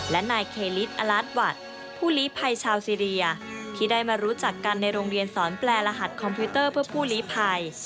และนายเคลิสอลัสวัตผู้ลีภัยชาวซีเรียที่ได้มารู้จักกันในโรงเรียนสอนแปลรหัสคอมพิวเตอร์เพื่อผู้ลีภัย